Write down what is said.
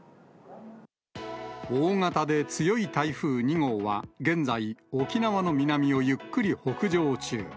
大型で強い台風２号は、現在、沖縄の南をゆっくり北上中。